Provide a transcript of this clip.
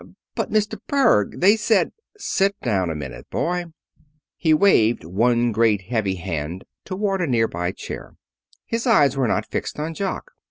"But, Mr. Berg, they said " "Sit down a minute, boy." He waved one great heavy hand toward a near by chair. His eyes were not fixed on Jock.